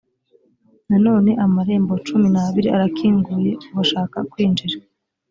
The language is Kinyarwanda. nanone amarembo cumi n ‘abiri arakinguye kubashaka kwinjira.